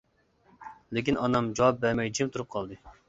لېكىن ئانام جاۋاب بەرمەي جىم تۇرۇپ قالدى.